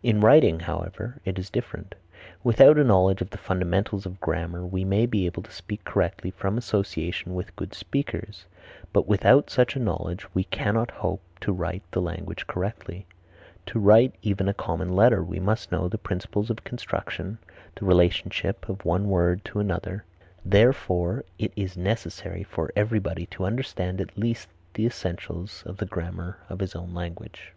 In writing, however, it is different. Without a knowledge of the fundamentals of grammar we may be able to speak correctly from association with good speakers, but without such a knowledge we cannot hope to write the language correctly. To write even a common letter we must know the principles of construction, the relationship of one word to another. Therefore, it is necessary for everybody to understand at least the essentials of the grammar of his own language.